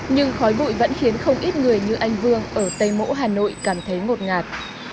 nhưng khói bụi vẫn khiến không ít người như anh vương ở tây mỗ hà nội cảm thấy ngột ngạt